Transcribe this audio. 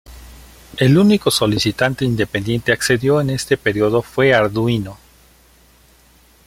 El único solicitante independente accedió en este periodo fue Arduino.